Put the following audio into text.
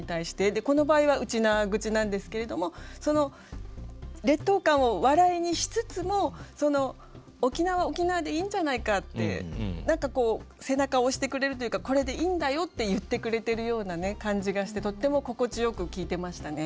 でこの場合はウチナーグチなんですけれどもその劣等感を笑いにしつつも沖縄は沖縄でいいんじゃないかって何かこう背中を押してくれるというかこれでいいんだよって言ってくれてるような感じがしてとっても心地よく聞いてましたね。